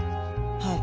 はい。